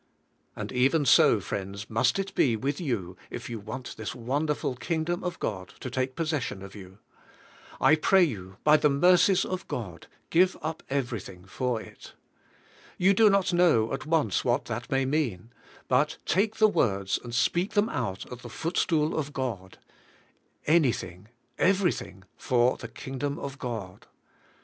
And even so, friends, must it be with you if 3^ou want this wonderful Kingdom of God to take possession of you. I pray you by the mercies of God, give up every THE KINGDOM FIRST 67 thing for it. You do noL know at once what that may mean, but take the words and speak them out at the footstool of God: ''An^^thing, everything, for the Kingdom of God."